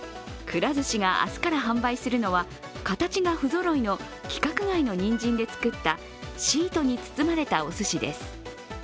くら寿司が明日から販売するのは形が不ぞろいの規格外のにんじんで作ったシートに包まれたおすしです。